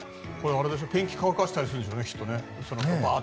ペンキを乾かしたりするんでしょうね。